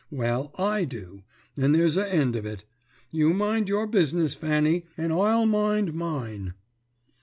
'Well, I do, and there's a end of it. You mind your business, Fanny, and I'll mind mine.'